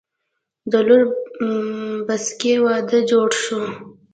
د لور بسکي وادۀ جوړ شو